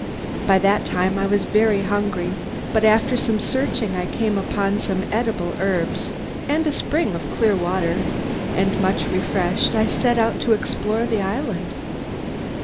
By that time I was very hungry, but after some searching I came upon some eatable herbs, and a spring of clear water, and much refreshed I set out to explore the island.